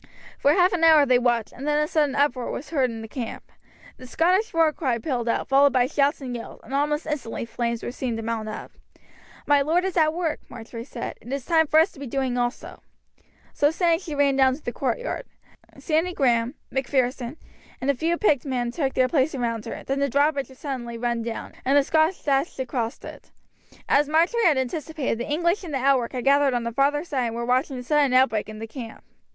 For half an hour they watched, and then a sudden uproar was heard in the camp. The Scottish war cry pealed out, followed by shouts and yells, and almost instantly flames were seen to mount up. "My lord is at work," Marjory said, "it is time for us to be doing also." So saying she ran down to the courtyard. Sandy Grahame, Macpherson, and a few picked men took their place around her, then the drawbridge was suddenly run down, and the Scots dashed across it. As Marjory had anticipated, the English in the outwork had gathered on the farther side and were watching the sudden outbreak in the camp.